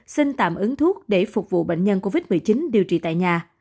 xin tạm ứng thuốc để phục vụ bệnh nhân covid một mươi chín điều trị tại nhà